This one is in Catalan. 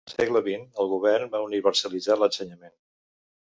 Al segle vint el govern va universalitzar l'ensenyament.